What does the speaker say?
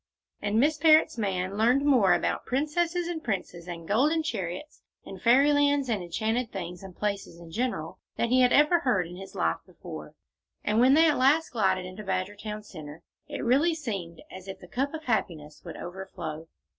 And Miss Parrott's man learned more about princesses and princes and golden chariots and Fairyland and enchanted things and places in general than he ever heard in his life before, and when at last they glided into Badgertown Centre, it really seemed as if the cup of happiness would overflow.